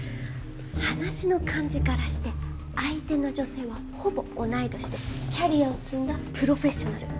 話の感じからして相手の女性はほぼ同い年でキャリアを積んだプロフェッショナル。